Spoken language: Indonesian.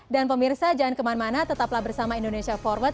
dan pemirsa jangan kemana mana tetaplah bersama indonesia forward